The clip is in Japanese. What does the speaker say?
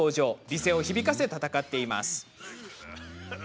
美声を響かせ、戦っています。